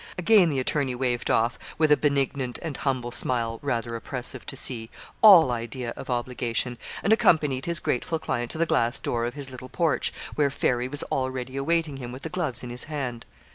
Again the attorney waved off, with a benignant and humble smile, rather oppressive to see, all idea of obligation, and accompanied his grateful client to the glass door of his little porch, where Fairy was already awaiting him with the gloves in his hand.